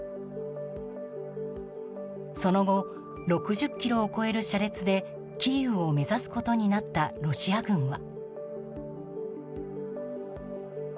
その後、６０ｋｍを超える車列でキーウを目指すことになったロシア軍は。